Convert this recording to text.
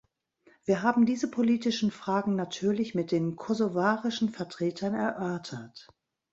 Wir haben diese politischen Fragen natürlich mit den kosovarischen Vertretern erörtert.